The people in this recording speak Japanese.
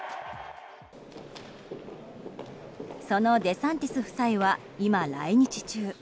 そのデサンティス夫妻は今、来日中。